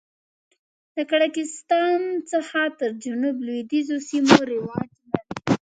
د کاکړستان څخه تر جنوب لوېدیځو سیمو رواج لري.